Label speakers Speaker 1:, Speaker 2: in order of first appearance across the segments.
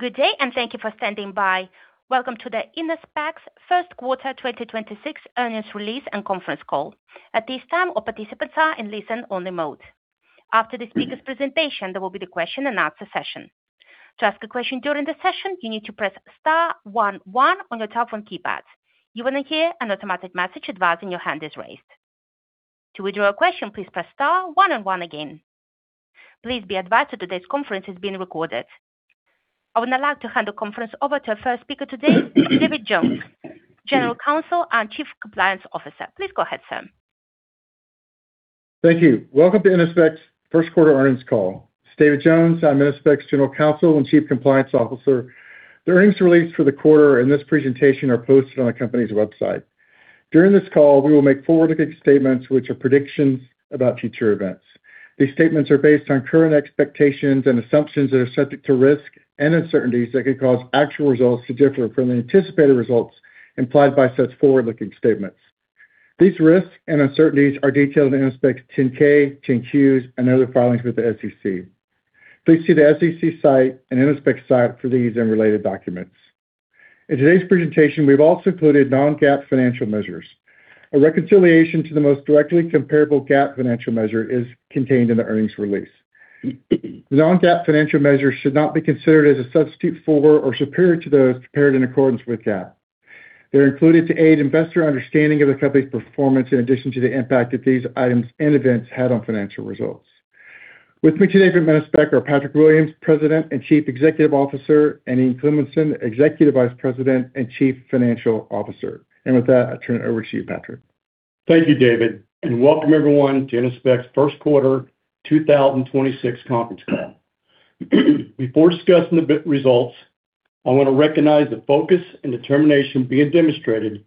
Speaker 1: Good day, and thank you for standing by. Welcome to the Innospec's first quarter 2026 earnings release and conference call. At this time, all participants are in listen only mode. After the speaker's presentation, there will be the question-and-answer session. To ask a question during the session, you need to press star one one on your telephone keypad. You will hear an automatic message advising your hand is raised. To withdraw your question, please press star one and one again. Please be advised that today's conference is being recorded. I would now like to hand the conference over to our first speaker today, David Jones, General Counsel and Chief Compliance Officer. Please go ahead, sir.
Speaker 2: Thank you. Welcome to Innospec's first quarter earnings call. It's David Jones. I'm Innospec's General Counsel and Chief Compliance Officer. The earnings release for the quarter and this presentation are posted on the company's website. During this call, we will make forward-looking statements which are predictions about future events. These statements are based on current expectations and assumptions that are subject to risks and uncertainties that could cause actual results to differ from the anticipated results implied by such forward-looking statements. These risks and uncertainties are detailed in Innospec's 10-K, 10-Qs, and other filings with the SEC. Please see the SEC site and Innospec's site for these and related documents. In today's presentation, we've also included non-GAAP financial measures. A reconciliation to the most directly comparable GAAP financial measure is contained in the earnings release. Non-GAAP financial measures should not be considered as a substitute for or superior to those prepared in accordance with GAAP. They're included to aid investor understanding of the company's performance in addition to the impact that these items and events had on financial results. With me today from Innospec are Patrick Williams, President and Chief Executive Officer, and Ian Cleminson, Executive Vice President and Chief Financial Officer. With that, I turn it over to you, Patrick.
Speaker 3: Thank you, David, and welcome everyone to Innospec's first quarter 2026 conference call. Before discussing the results, I want to recognize the focus and determination being demonstrated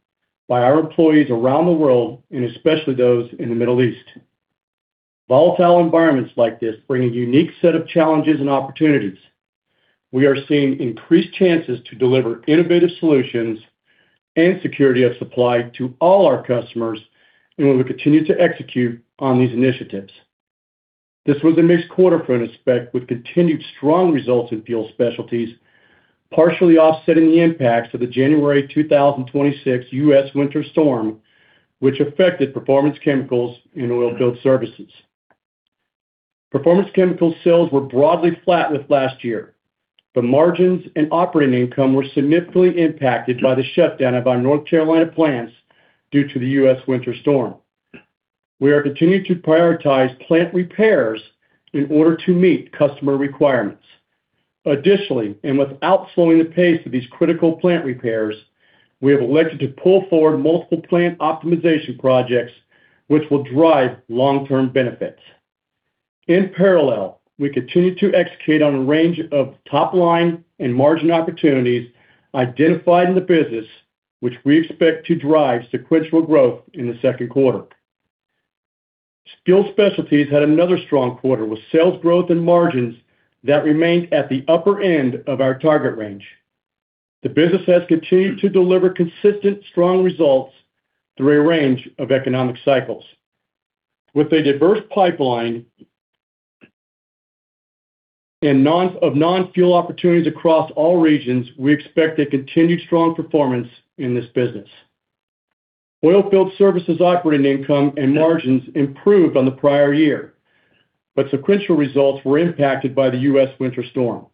Speaker 3: by our employees around the world and especially those in the Middle East. Volatile environments like this bring a unique set of challenges and opportunities. We are seeing increased chances to deliver innovative solutions and security of supply to all our customers. We will continue to execute on these initiatives. This was a mixed quarter for Innospec with continued strong results in Fuel Specialties, partially offsetting the impacts of the January 2026 U.S. winter storm, which affected Performance Chemicals and Oilfield Services. Performance Chemicals sales were broadly flat with last year. Margins and operating income were significantly impacted by the shutdown of our North Carolina plants due to the U.S. winter storm. We are continuing to prioritize plant repairs in order to meet customer requirements. Additionally, and without slowing the pace of these critical plant repairs, we have elected to pull forward multiple plant optimization projects which will drive long-term benefits. In parallel, we continue to execute on a range of top-line and margin opportunities identified in the business, which we expect to drive sequential growth in the second quarter. Fuel Specialties had another strong quarter with sales growth and margins that remained at the upper end of our target range. The business has continued to deliver consistent strong results through a range of economic cycles. With a diverse pipeline and of non-fuel opportunities across all regions, we expect a continued strong performance in this business. Oilfield Services operating income and margins improved on the prior year, but sequential results were impacted by the U.S. winter storm.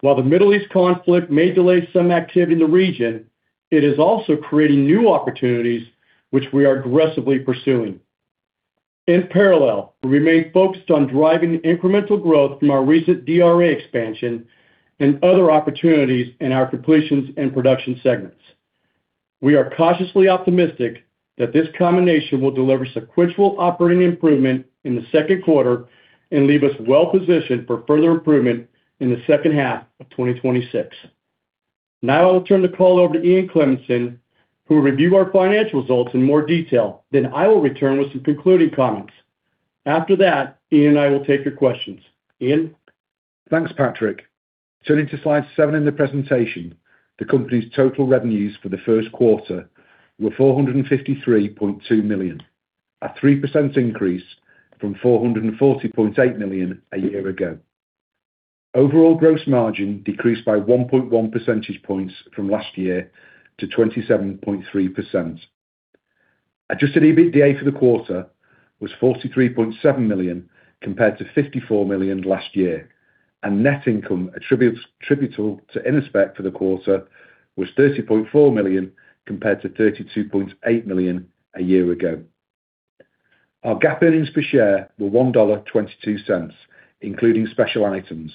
Speaker 3: While the Middle East conflict may delay some activity in the region, it is also creating new opportunities which we are aggressively pursuing. In parallel, we remain focused on driving incremental growth from our recent DRA expansion and other opportunities in our completions and production segments. We are cautiously optimistic that this combination will deliver sequential operating improvement in the second quarter and leave us well positioned for further improvement in the second half of 2026. I will turn the call over to Ian Cleminson, who will review our financial results in more detail. I will return with some concluding comments. After that, Ian and I will take your questions. Ian?
Speaker 4: Thanks, Patrick. Turning to slide seven in the presentation, the company's total revenues for the first quarter were $453.2 million, a 3% increase from $440.8 million a year ago. Overall gross margin decreased by 1.1 percentage points from last year to 27.3%. Adjusted EBITDA for the quarter was $43.7 million compared to $54 million last year, and net income attributable to Innospec for the quarter was $30.4 million compared to $32.8 million a year ago. Our GAAP earnings per share were $1.22, including special items,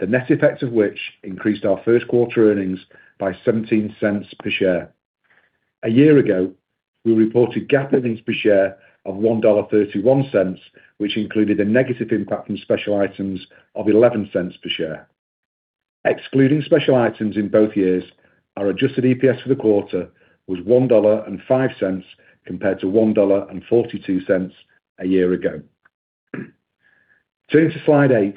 Speaker 4: the net effect of which increased our first quarter earnings by $0.17 per share. A year ago, we reported GAAP earnings per share of $1.31, which included a negative impact from special items of $0.11 per share. Excluding special items in both years, our Adjusted EPS for the quarter was $1.05 compared to $1.42 a year ago. Turning to slide eight.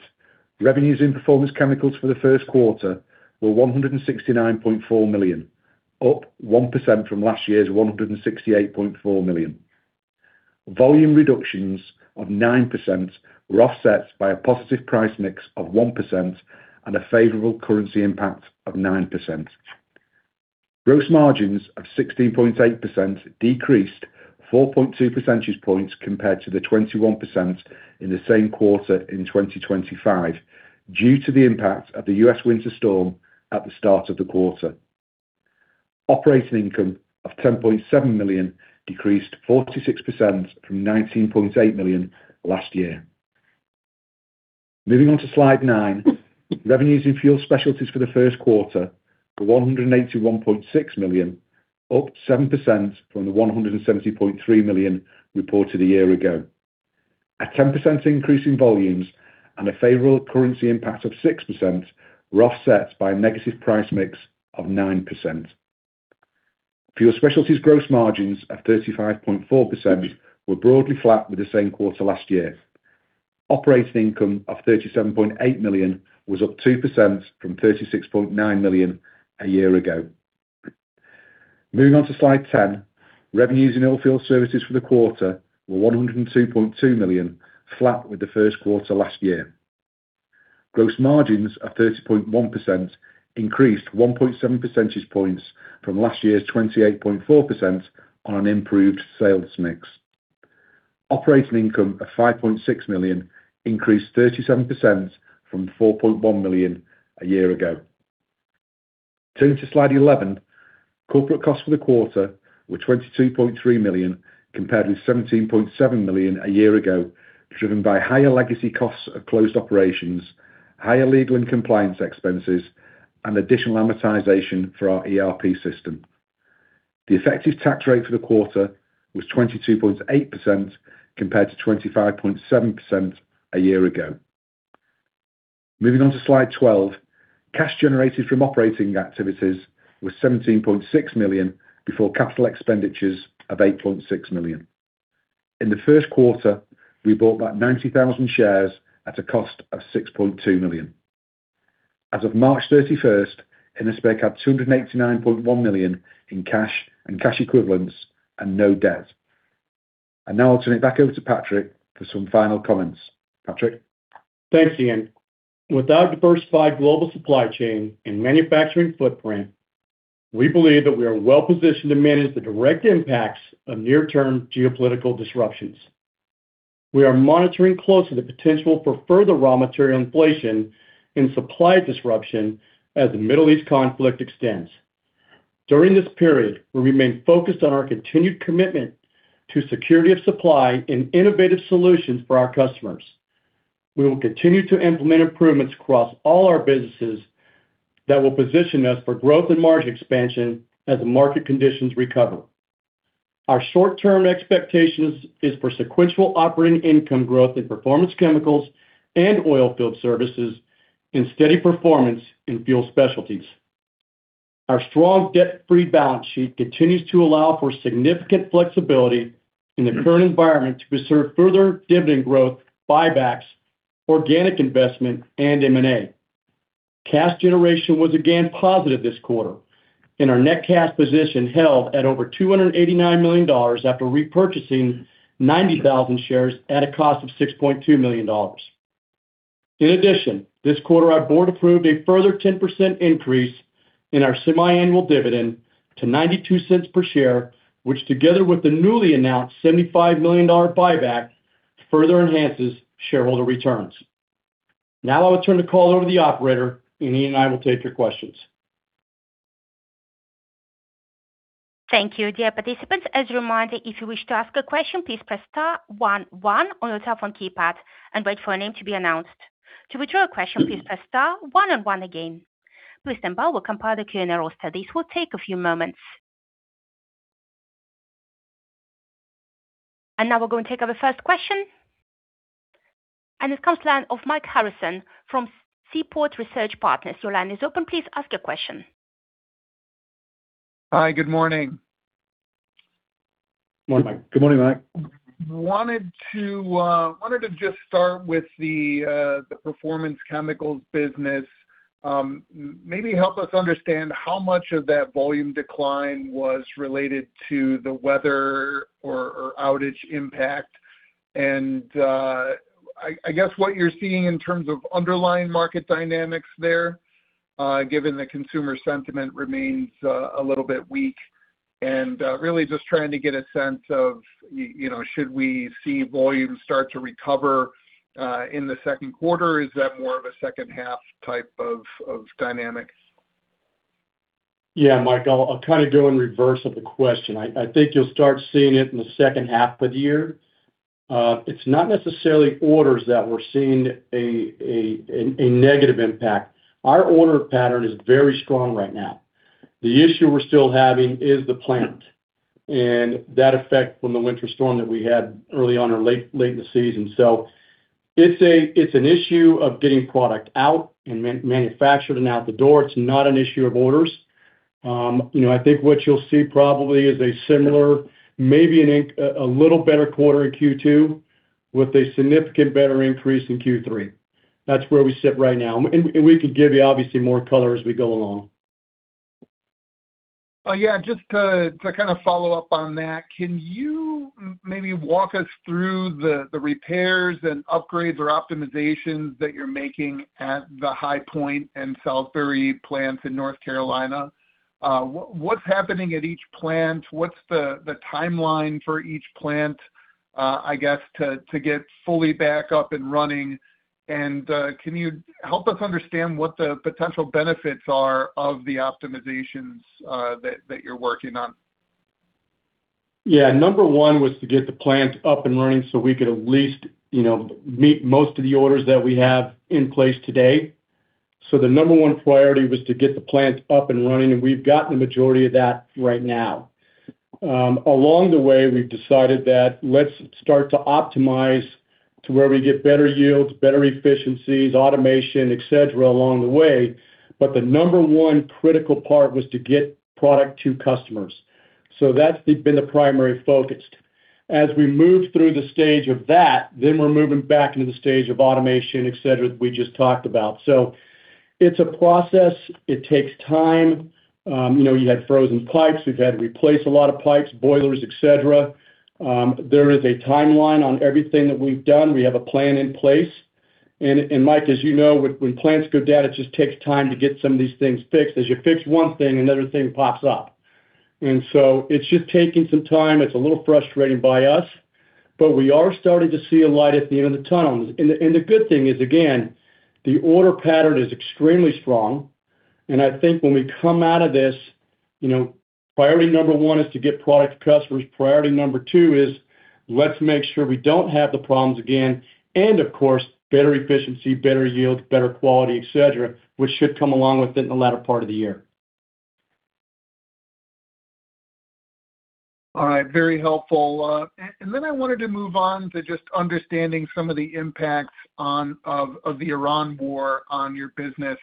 Speaker 4: Revenues in Performance Chemicals for the first quarter were $169.4 million, up 1% from last year's $168.4 million. Volume reductions of 9% were offset by a positive price mix of 1% and a favorable currency impact of 9%. Gross margins of 16.8% decreased 4.2 percentage points compared to the 21% in the same quarter in 2025 due to the impact of the U.S. winter storm at the start of the quarter. Operating income of $10.7 million decreased 46% from $19.8 million last year. Moving on to slide nine. Revenues in Fuel Specialties for the first quarter were $181.6 million, up 7% from the $170.3 million reported a year ago. A 10% increase in volumes and a favorable currency impact of 6% were offset by a negative price mix of 9%. Fuel Specialties' gross margins of 35.4% were broadly flat with the same quarter last year. Operating income of $37.8 million was up 2% from $36.9 million a year ago. Moving on to slide 10. Revenues in Oilfield Services for the quarter were $102.2 million, flat with the first quarter last year. Gross margins of 30.1% increased 1.7 percentage points from last year's 28.4% on an improved sales mix. Operating income of $5.6 million increased 37% from $4.1 million a year ago. Turning to slide 11. Corporate costs for the quarter were $22.3 million compared with $17.7 million a year ago, driven by higher legacy costs of closed operations, higher legal and compliance expenses, and additional amortization for our ERP system. The effective tax rate for the quarter was 22.8% compared to 25.7% a year ago. Moving on to slide 12. Cash generated from operating activities was $17.6 million before capital expenditures of $8.6 million. In the 1st quarter, we bought back 90,000 shares at a cost of $6.2 million. As of March 31st, Innospec had $289.1 million in cash and cash equivalents and no debt. I now turn it back over to Patrick for some final comments. Patrick?
Speaker 3: Thanks, Ian. With our diversified global supply chain and manufacturing footprint, we believe that we are well-positioned to manage the direct impacts of near-term geopolitical disruptions. We are monitoring closely the potential for further raw material inflation and supply disruption as the Middle East conflict extends. During this period, we remain focused on our continued commitment to security of supply and innovative solutions for our customers. We will continue to implement improvements across all our businesses that will position us for growth and margin expansion as the market conditions recover. Our short-term expectations is for sequential operating income growth in Performance Chemicals and Oilfield Services and steady performance in Fuel Specialties. Our strong debt-free balance sheet continues to allow for significant flexibility in the current environment to pursue further dividend growth, buybacks, organic investment, and M&A. Cash generation was again positive this quarter, and our net cash position held at over $289 million after repurchasing 90,000 shares at a cost of $6.2 million. In addition, this quarter, our board approved a further 10% increase in our semiannual dividend to $0.92 per share, which together with the newly announced $75 million buyback, further enhances shareholder returns. Now I will turn the call over to the operator, and he and I will take your questions.
Speaker 1: Thank you. Dear participants, as a reminder, if you wish to ask a question, please press star one one on your telephone keypad and wait for a name to be announced. To withdraw your question, please press star one and one again. Please stand by while we compile the Q&A roster. This will take a few moments. Now we're going to take our first question, and it comes to the line of Mike Harrison from Seaport Research Partners. Your line is open. Please ask your question.
Speaker 5: Hi, good morning.
Speaker 4: Morning, Mike.
Speaker 3: Good morning, Mike.
Speaker 5: Wanted to just start with the Performance Chemicals business. Maybe help us understand how much of that volume decline was related to the weather or outage impact. I guess what you're seeing in terms of underlying market dynamics there, given the consumer sentiment remains a little bit weak and really just trying to get a sense of you know, should we see volumes start to recover in the second quarter? Is that more of a second-half type of dynamic?
Speaker 3: Yeah, Mike, I'll kind of go in reverse of the question. I think you'll start seeing it in the second half of the year. it's not necessarily orders that we're seeing a negative impact. Our order pattern is very strong right now. The issue we're still having is the plant and that effect from the winter storm that we had early on or late in the season. it's a, it's an issue of getting product out and manufactured and out the door. It's not an issue of orders. you know, I think what you'll see probably is a similar, maybe a little better quarter in Q2 with a significant better increase in Q3. That's where we sit right now. we can give you obviously more color as we go along.
Speaker 5: Oh, yeah, just to kind of follow up on that, can you maybe walk us through the repairs and upgrades or optimizations that you're making at the High Point and Salisbury plants in North Carolina? What's happening at each plant? What's the timeline for each plant, I guess, to get fully back up and running? Can you help us understand what the potential benefits are of the optimizations that you're working on?
Speaker 3: Number 1 was to get the plant up and running so we could at least, you know, meet most of the orders that we have in place today. The number one priority was to get the plant up and running, and we've gotten the majority of that right now. Along the way, we've decided that let's start to optimize to where we get better yields, better efficiencies, automation, et cetera, along the way, the number one critical part was to get product to customers. That's been the primary focus. As we move through the stage of that, we're moving back into the stage of automation, et cetera, we just talked about. It's a process. It takes time. You know, you had frozen pipes. We've had to replace a lot of pipes, boilers, et cetera. There is a timeline on everything that we've done. We have a plan in place. Mike, as you know, when plants go down, it just takes time to get some of these things fixed. As you fix one thing, another thing pops up. It's just taking some time. It's a little frustrating by us, but we are starting to see a light at the end of the tunnel. The good thing is, again, the order pattern is extremely strong. I think when we come out of this, you know, priority number one is to get product to customers. Priority number two is let's make sure we don't have the problems again, and of course, better efficiency, better yield, better quality, et cetera, which should come along within the latter part of the year.
Speaker 5: All right. Very helpful. Then I wanted to move on to just understanding some of the impacts of the Iran war on your business.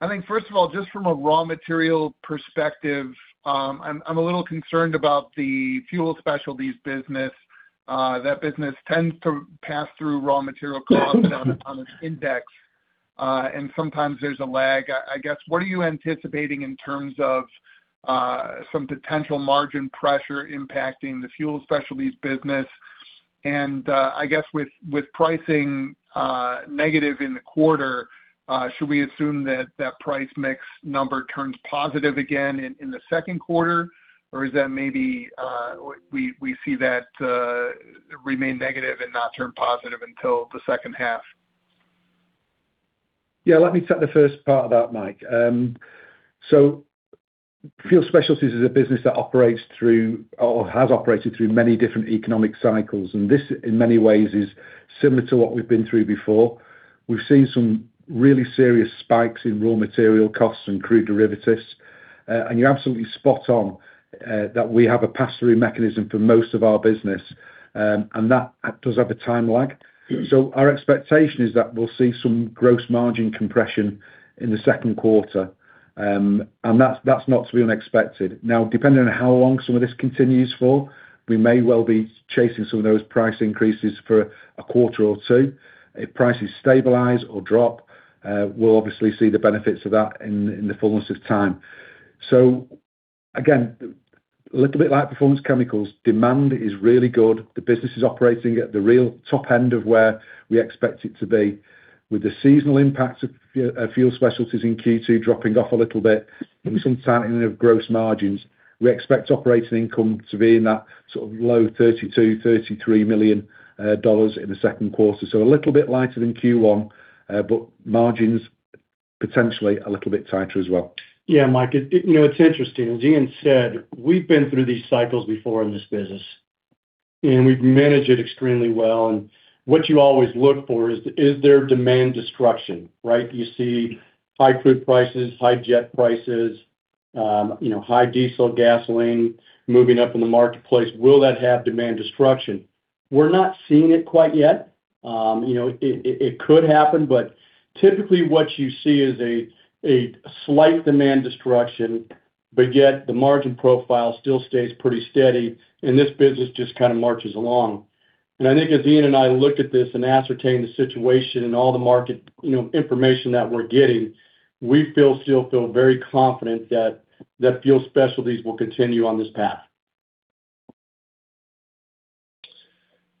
Speaker 5: I think first of all, just from a raw material perspective, I'm a little concerned about the Fuel Specialties business. That business tends to pass through raw material costs on its index, and sometimes there's a lag, I guess. What are you anticipating in terms of some potential margin pressure impacting the Fuel Specialties business? I guess with pricing negative in the quarter, should we assume that that price mix number turns positive again in the second quarter? Is that maybe we see that remain negative and not turn positive until the second half?
Speaker 4: Yeah, let me take the first part of that, Mike. Fuel Specialties is a business that operates through or has operated through many different economic cycles, and this, in many ways, is similar to what we've been through before. We've seen some really serious spikes in raw material costs and crude derivatives. You're absolutely spot on, that we have a pass-through mechanism for most of our business, and that does have a time lag. Our expectation is that we'll see some gross margin compression in the second quarter. That's, that's not to be unexpected. Depending on how long some of this continues for, we may well be chasing some of those price increases for a quarter or two. If prices stabilize or drop, we'll obviously see the benefits of that in the fullness of time. Again, a little bit like Performance Chemicals, demand is really good. The business is operating at the real top end of where we expect it to be. With the seasonal impact of Fuel Specialties in Q2 dropping off a little bit and some tightening of gross margins, we expect operating income to be in that sort of low $32 million-$33 million in the second quarter. A little bit lighter than Q1, but margins potentially a little bit tighter as well.
Speaker 3: Yeah, Mike, you know, it's interesting. As Ian said, we've been through these cycles before in this business, and we've managed it extremely well. What you always look for is there demand destruction, right? You see high crude prices, high jet prices, you know, high diesel, gasoline moving up in the marketplace. Will that have demand destruction? We're not seeing it quite yet. You know, it could happen, but typically what you see is a slight demand destruction, but yet the margin profile still stays pretty steady, and this business just kind of marches along. I think as Ian and I looked at this and ascertained the situation and all the market, you know, information that we're getting, still feel very confident that Fuel Specialties will continue on this path.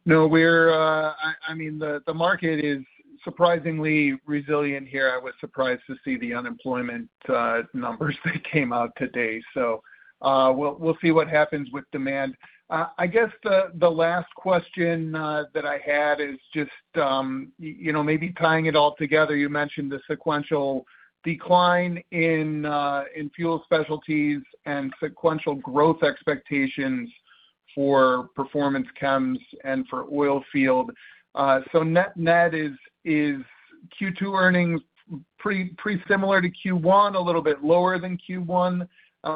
Speaker 5: No, we're, I mean, the market is surprisingly resilient here. I was surprised to see the unemployment numbers that came out today. We'll see what happens with demand. I guess the last question that I had is just, you know, maybe tying it all together, you mentioned the sequential decline in Fuel Specialties and sequential growth expectations for Performance Chems and for Oilfield. Net-net is Q2 earnings pretty similar to Q1, a little bit lower than Q1?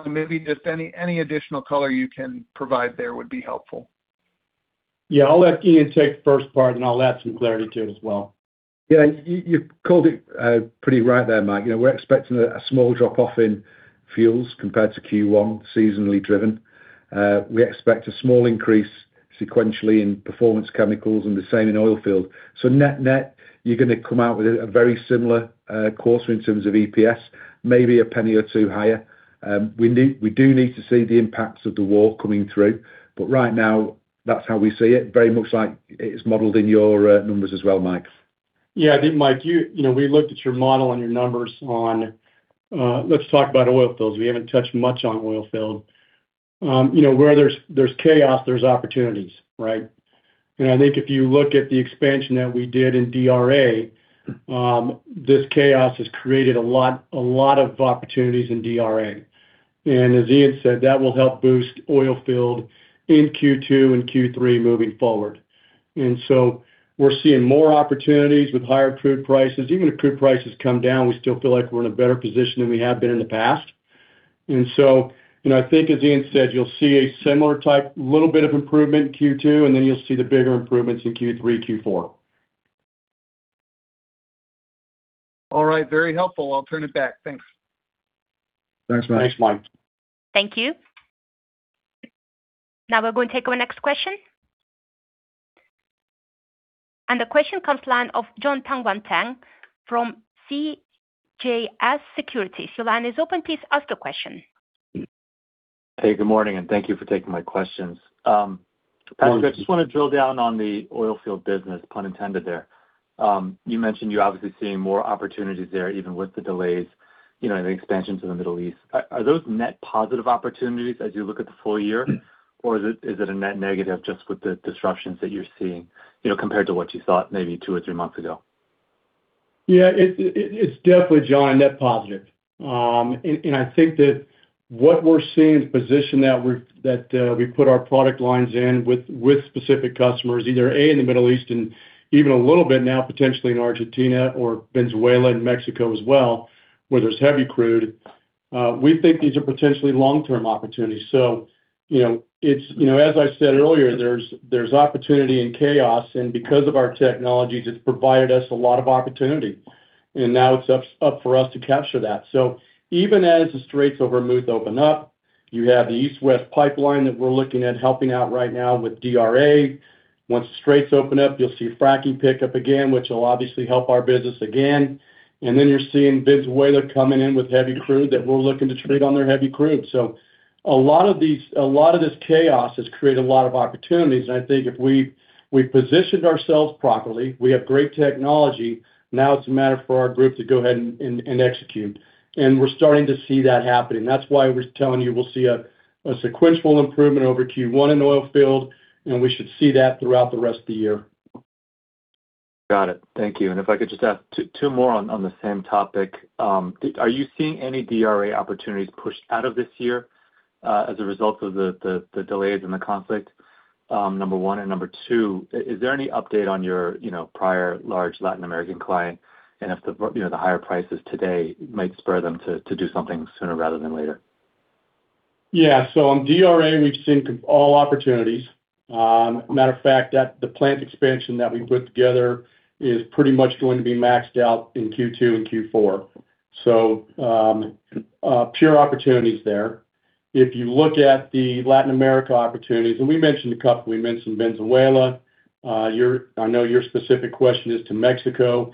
Speaker 5: Maybe just any additional color you can provide there would be helpful.
Speaker 3: Yeah. I'll let Ian take the first part, and I'll add some clarity to it as well.
Speaker 4: Yeah. You, you've called it pretty right there, Mike. You know, we're expecting a small drop-off in fuels compared to Q1, seasonally driven. We expect a small increase sequentially in Performance Chemicals and the same in oil field. Net-net, you're gonna come out with a very similar quarter in terms of EPS, maybe $0.01 or $0.02 higher. We do need to see the impacts of the war coming through, but right now, that's how we see it. Very much like it's modeled in your numbers as well, Mike.
Speaker 3: Yeah. I think, Mike, you know, we looked at your model and your numbers on, let's talk about Oilfield Services. We haven't touched much on Oilfield Services. You know, where there's chaos, there's opportunities, right? I think if you look at the expansion that we did in DRA, this chaos has created a lot of opportunities in DRA. As Ian said, that will help boost Oilfield Services in Q2 and Q3 moving forward. We're seeing more opportunities with higher crude prices. Even if crude prices come down, we still feel like we're in a better position than we have been in the past. You know, I think as Ian said, you'll see a similar type, little bit of improvement in Q2, and then you'll see the bigger improvements in Q3, Q4.
Speaker 5: All right. Very helpful. I'll turn it back. Thanks.
Speaker 4: Thanks, Mike.
Speaker 3: Thanks, Mike.
Speaker 1: Thank you. Now we're going to take our next question. The question comes line of Jon Tanwanteng from CJS Securities. Your line is open. Please ask the question.
Speaker 6: Hey, good morning, and thank you for taking my questions. Patrick, I just wanna drill down on the Oilfield Services, pun intended there. You mentioned you're obviously seeing more opportunities there, even with the delays, you know, and the expansion to the Middle East. Are those net positive opportunities as you look at the full year? Or is it a net negative just with the disruptions that you're seeing, you know, compared to what you thought maybe two or three months ago?
Speaker 3: Yeah. It's definitely, Jon, net positive. I think that what we're seeing is position that we put our product lines in with specific customers, either, A, in the Middle East and even a little bit now potentially in Argentina or Venezuela and Mexico as well, where there's heavy crude. We think these are potentially long-term opportunities. You know, it's, you know, as I said earlier, there's opportunity in chaos, because of our technologies, it's provided us a lot of opportunity. Now it's up for us to capture that. Even as the Straits of Hormuz open up, you have the East-West Pipeline that we're looking at helping out right now with DRA. Once the Straits open up, you'll see fracking pick up again, which will obviously help our business again. You're seeing Venezuela coming in with heavy crude that we're looking to trade on their heavy crude. A lot of this chaos has created a lot of opportunities. I think if we positioned ourselves properly, we have great technology. Now it's a matter for our group to go ahead and execute. We're starting to see that happening. That's why we're telling you we'll see a sequential improvement over Q1 in Oilfield, and we should see that throughout the rest of the year.
Speaker 6: Got it. Thank you. If I could just ask two more on the same topic. Are you seeing any DRA opportunities pushed out of this year as a result of the delays and the conflict, number one? Number two, is there any update on your, you know, prior large Latin American client, and if the, you know, the higher prices today might spur them to do something sooner rather than later?
Speaker 3: Yeah. On DRA, we've seen all opportunities. Matter of fact, the plant expansion that we put together is pretty much going to be maxed out in Q2 and Q4. Pure opportunities there. If you look at the Latin America opportunities, and we mentioned a couple, we mentioned Venezuela. I know your specific question is to Mexico.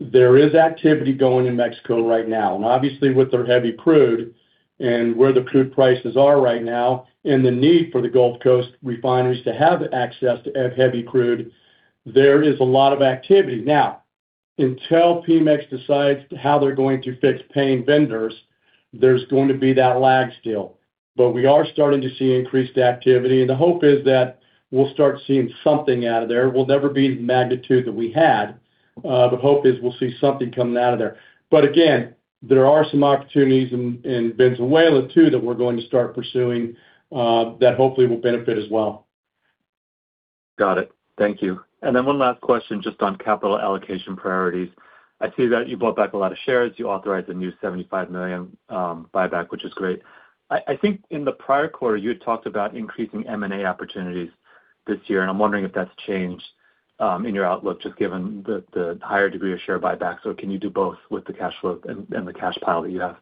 Speaker 3: There is activity going in Mexico right now. Obviously, with their heavy crude and where the crude prices are right now, and the need for the Gulf Coast refineries to have access to heavy crude, there is a lot of activity. Now, until Pemex decides how they're going to fix paying vendors, there's going to be that lag still. We are starting to see increased activity, and the hope is that we'll start seeing something out of there. We'll never be the magnitude that we had, but hope is we'll see something coming out of there. Again, there are some opportunities in Venezuela too that we're going to start pursuing that hopefully will benefit as well.
Speaker 6: Got it. Thank you. Then one last question, just on capital allocation priorities. I see that you bought back a lot of shares. You authorized a new $75 million buyback, which is great. I think in the prior quarter, you had talked about increasing M&A opportunities this year, and I'm wondering if that's changed in your outlook, just given the higher degree of share buyback. Can you do both with the cash flow and the cash pile that you have?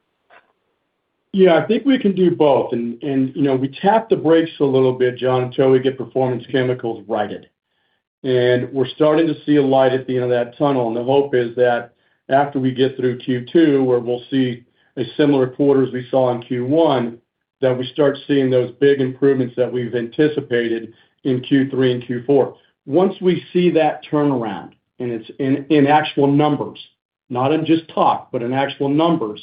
Speaker 3: Yeah. I think we can do both. You know, we tapped the brakes a little bit, Jon, until we get Performance Chemicals righted. We're starting to see a light at the end of that tunnel, and the hope is that after we get through Q2, where we'll see a similar quarter as we saw in Q1, that we start seeing those big improvements that we've anticipated in Q3 and Q4. Once we see that turnaround, and it's in actual numbers, not in just talk, but in actual numbers,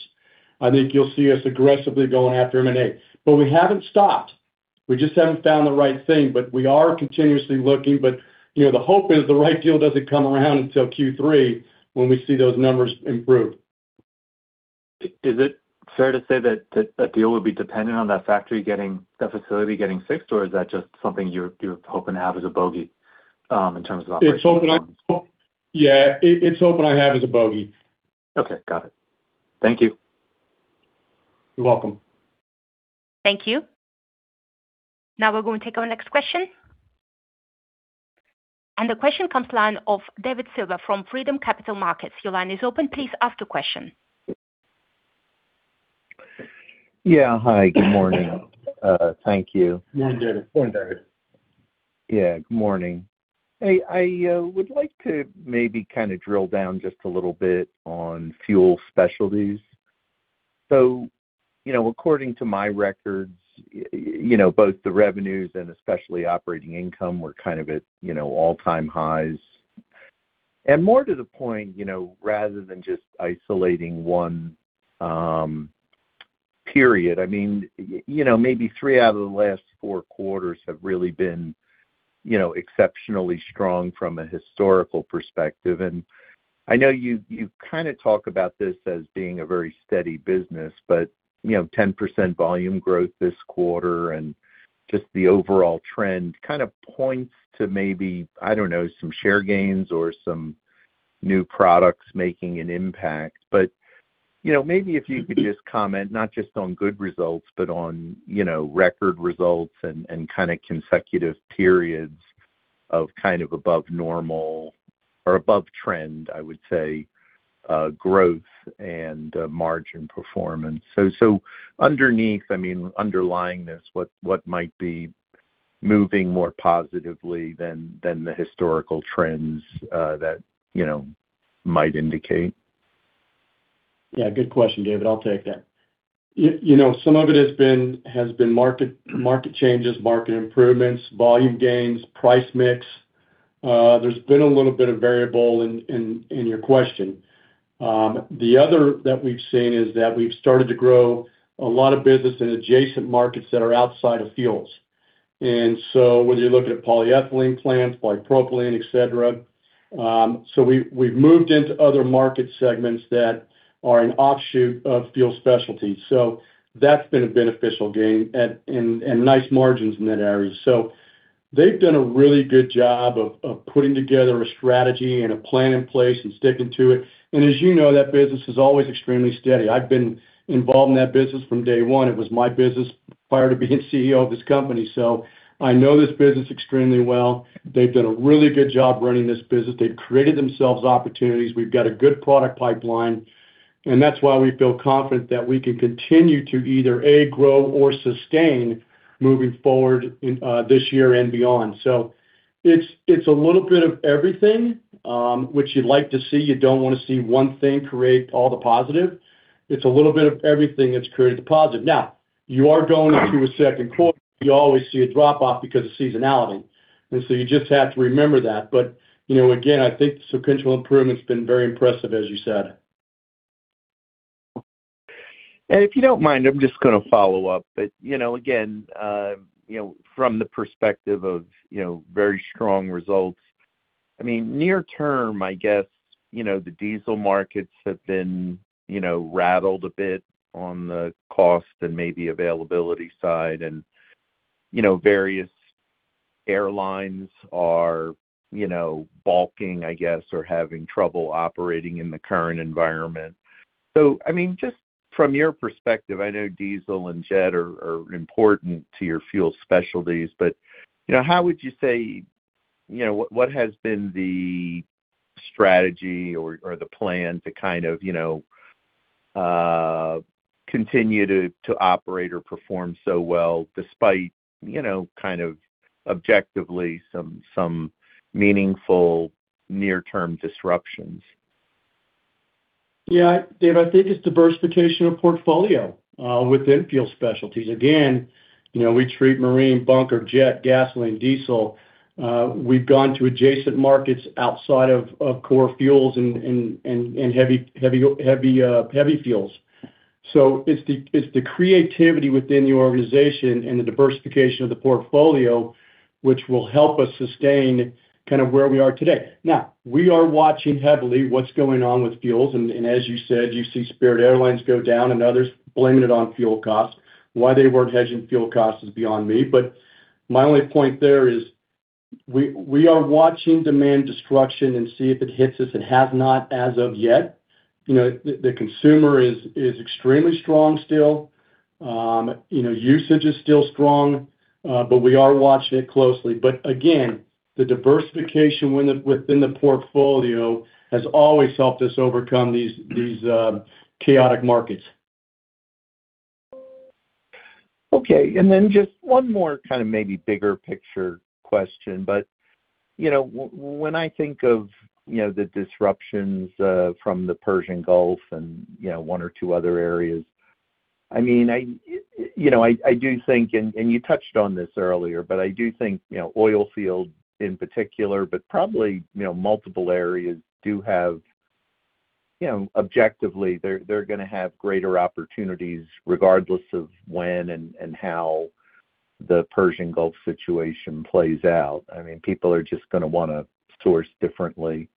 Speaker 3: I think you'll see us aggressively going after M&A. We haven't stopped. We just haven't found the right thing. We are continuously looking. You know, the hope is the right deal doesn't come around until Q3, when we see those numbers improve.
Speaker 6: Is it fair to say that deal would be dependent on that facility getting fixed, or is that just something you're hoping to have as a bogey in terms of operations?
Speaker 3: It's hoping. Yeah. It's hoping I have as a bogey.
Speaker 6: Okay. Got it. Thank you.
Speaker 3: You're welcome.
Speaker 1: Thank you. Now we're going to take our next question. The question comes line of David Silver from Freedom Capital Markets. Your line is open. Please ask the question.
Speaker 7: Hi, good morning. Thank you.
Speaker 3: Go ahead, David.
Speaker 7: Yeah, good morning. I would like to maybe kind of drill down just a little bit on Fuel Specialties. You know, according to my records, you know, both the revenues and especially operating income were kind of at, you know, all-time highs. More to the point, you know, rather than just isolating one period, I mean, you know, maybe three out of the last four quarters have really been, you know, exceptionally strong from a historical perspective. I know you kind of talk about this as being a very steady business but, you know, 10% volume growth this quarter and just the overall trend kind of points to maybe, I don't know, some share gains or some new products making an impact. You know, maybe if you could just comment, not just on good results, but on, you know, record results and kind of consecutive periods of kind of above normal or above trend, I would say, growth and margin performance. Underneath, I mean, underlying this, what might be moving more positively than the historical trends, that, you know, might indicate?
Speaker 3: Yeah, good question, David. I'll take that. You know, some of it has been market changes, market improvements, volume gains, price mix. There's been a little bit of variable in your question. The other that we've seen is that we've started to grow a lot of business in adjacent markets that are outside of fuels. Whether you're looking at polyethylene plants, propylene, et cetera. We've moved into other market segments that are an offshoot of Fuel Specialties. That's been a beneficial gain and nice margins in that area. They've done a really good job of putting together a strategy and a plan in place and sticking to it. As you know, that business is always extremely steady. I've been involved in that business from day one. It was my business prior to being CEO of this company. I know this business extremely well. They've done a really good job running this business. They've created themselves opportunities. We've got a good product pipeline, and that's why we feel confident that we can continue to either, A, grow or sustain moving forward in this year and beyond. It's, it's a little bit of everything, which you'd like to see. You don't want to see one thing create all the positive. It's a little bit of everything that's created the positive. Now, you are going into a second quarter. You always see a drop-off because of seasonality. You just have to remember that. You know, again, I think the sequential improvement has been very impressive, as you said.
Speaker 7: If you don't mind, I'm just gonna follow up. You know, again, you know, from the perspective of, you know, very strong results. I mean, near term, I guess, you know, the diesel markets have been, you know, rattled a bit on the cost and maybe availability side. You know, various airlines are, you know, balking, I guess, or having trouble operating in the current environment. I mean, just from your perspective, I know diesel and jet are important to your Fuel Specialties, but, you know, how would you say, you know, what has been the strategy or the plan to kind of, you know, continue to operate or perform so well despite, you know, kind of objectively some meaningful near-term disruptions?
Speaker 3: Yeah. Dave, I think it's diversification of portfolio within Fuel Specialties. Again, you know, we treat marine, bunker, jet, gasoline, diesel. We've gone to adjacent markets outside of core fuels and heavy fuels. It's the creativity within the organization and the diversification of the portfolio which will help us sustain kind of where we are today. Now, we are watching heavily what's going on with fuels. As you said, you see Spirit Airlines go down and others blaming it on fuel costs. Why they weren't hedging fuel costs is beyond me, but my only point there is we are watching demand destruction and see if it hits us. It has not as of yet. You know, the consumer is extremely strong still. You know, usage is still strong, but we are watching it closely. Again, the diversification within the portfolio has always helped us overcome these chaotic markets.
Speaker 7: Okay. Just one more kind of maybe bigger picture question. You know, when I think of, you know, the disruptions from the Persian Gulf and, you know, one or two other areas, I mean, I, you know, I do think, and you touched on this earlier, but I do think, you know, oil field in particular, but probably, you know, multiple areas do have, you know, objectively they're gonna have greater opportunities regardless of when and how the Persian Gulf situation plays out. I mean, people are just gonna wanna source differently.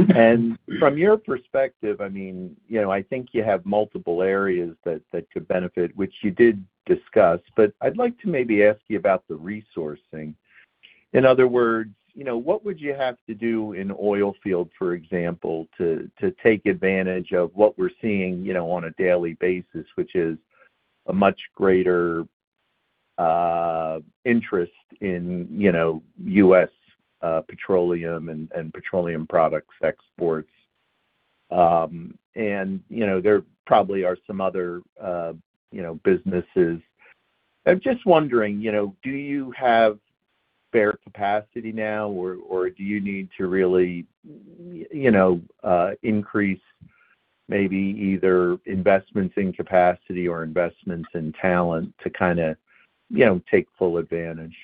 Speaker 7: From your perspective, I mean, you know, I think you have multiple areas that could benefit, which you did discuss, but I'd like to maybe ask you about the resourcing. In other words, you know, what would you have to do in Oilfield Services, for example, to take advantage of what we're seeing, you know, on a daily basis, which is a much greater interest in, you know, U.S. petroleum and petroleum products exports. You know, there probably are some other, you know, businesses. I'm just wondering, you know, do you have spare capacity now or do you need to really, you know, increase maybe either investments in capacity or investments in talent to kinda, you know, take full advantage?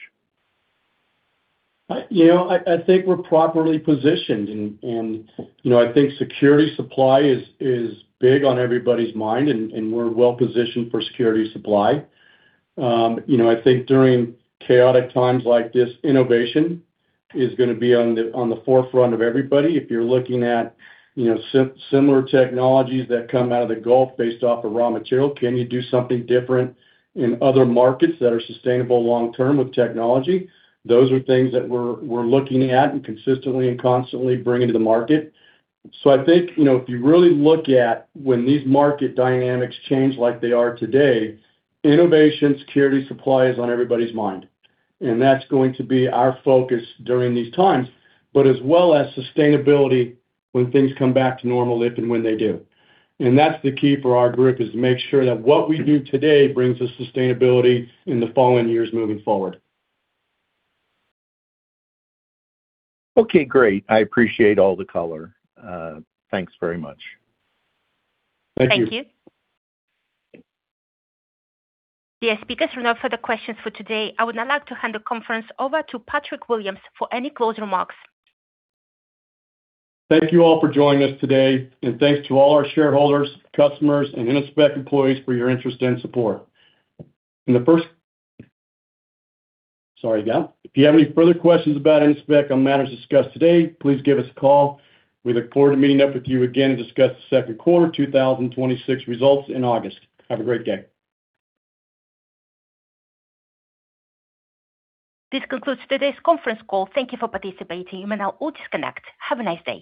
Speaker 3: You know, I think we're properly positioned and, you know, I think security supply is big on everybody's mind and we're well-positioned for security supply. You know, I think during chaotic times like this, innovation is gonna be on the forefront of everybody. If you're looking at, you know, similar technologies that come out of the Gulf based off of raw material, can you do something different in other markets that are sustainable long term with technology? Those are things that we're looking at and consistently and constantly bringing to the market. I think, you know, if you really look at when these market dynamics change like they are today, innovation security supply is on everybody's mind. That's going to be our focus during these times, but as well as sustainability when things come back to normal, if and when they do. That's the key for our group, is to make sure that what we do today brings us sustainability in the following years moving forward.
Speaker 7: Okay, great. I appreciate all the color. Thanks very much.
Speaker 3: Thank you.
Speaker 1: Thank you. The speakers are now for the questions for today. I would now like to hand the conference over to Patrick Williams for any close remarks.
Speaker 3: Thank you all for joining us today, and thanks to all our shareholders, customers, and Innospec employees for your interest and support. Sorry, yeah. If you have any further questions about Innospec on matters discussed today, please give us a call. We look forward to meeting up with you again to discuss the second quarter 2026 results in August. Have a great day.
Speaker 1: This concludes today's conference call. Thank you for participating. You may now all disconnect. Have a nice day.